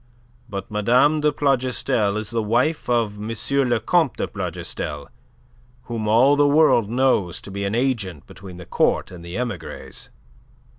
But Mme. de Plougastel is the wife of M. le Comte de Plougastel, whom all the world knows to be an agent between the Court and the emigres."